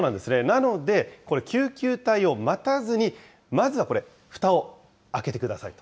なので、これ、救急隊を待たずにまずはこれ、ふたを開けてください。